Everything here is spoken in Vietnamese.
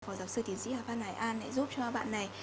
phó giáo sư tiến sĩ hà phan hải an hãy giúp cho bạn này